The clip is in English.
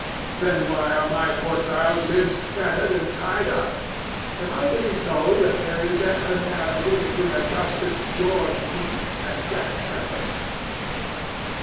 Then, why are my poor child's lunljs fettered and tied irp ? Am I to be told tliat there is any analogy between Au gustus George Meek, and .Jack Sheppsird